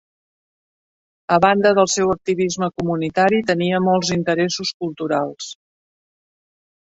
A banda del seu activisme comunitari, tenia molts interessos culturals.